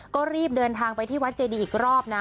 ก็รีบเดินทางไปที่วัดเจดีอีกรอบนะ